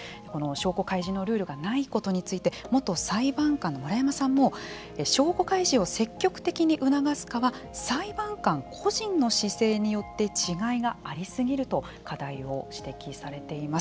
証拠開示のルールがないことについて元裁判官の村山さんも証拠開示を積極的に促すかは裁判官個人の姿勢によって違いがありすぎると課題を指摘されています。